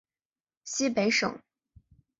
西北省